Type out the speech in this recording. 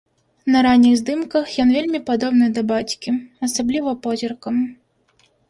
На ранніх здымках ён вельмі падобны да бацькі, асабліва позіркам.